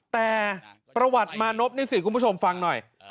แต่ประวัติมานพนี่สิคุณผู้ชมฟังหน่อย